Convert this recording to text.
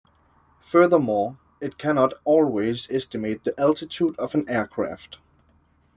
Furthermore, it cannot always estimate the altitude of an aircraft.